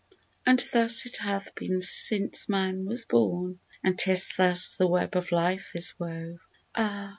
And thus it hath been since man was bom, And *tis thus the web of life is wove, Ah